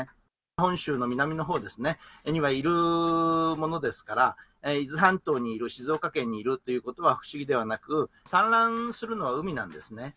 本州の南のほうにはいるものですから、伊豆半島にいる、静岡県にいるということは不思議ではなく、産卵するのは海なんですね。